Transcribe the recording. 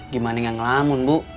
gimana gak ngelamun bu